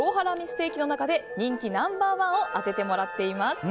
ステーキの中で人気ナンバー１を当ててもらっています。